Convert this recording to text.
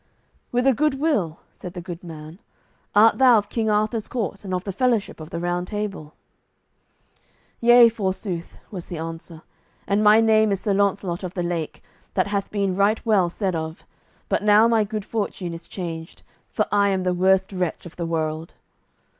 "With a good will," said the good man; "art thou of King Arthur's court, and of the fellowship of the Round Table?" "Yea, forsooth," was the answer, "and my name is Sir Launcelot of the Lake, that hath been right well said of; but now my good fortune is changed, for I am the worst wretch of the world."